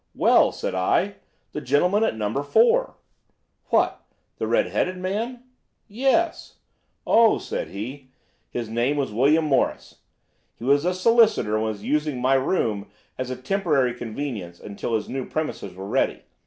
"'Well,' said I, 'the gentleman at No. 4.' "'What, the red headed man?' "'Yes.' "'Oh,' said he, 'his name was William Morris. He was a solicitor and was using my room as a temporary convenience until his new premises were ready.